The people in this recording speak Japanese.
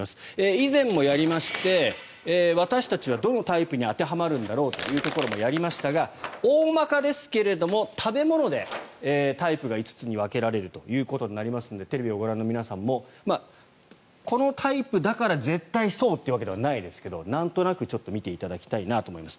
以前もやりまして私たちはどのタイプに当てはまるんだろうということもやりましたが大まかですが、食べ物でタイプが５つに分けられるということになりますのでテレビをご覧の皆さんもこのタイプだから絶対そうというわけではないですけどなんとなく見ていただきたいなと思います。